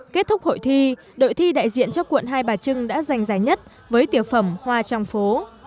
kết thúc hội thi đội thi đại diện cho quận hai bà trưng đã giành giải nhất với tiểu phẩm hoa trong phố